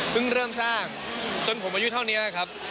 เริ่มสร้างจนผมอายุเท่านี้ครับ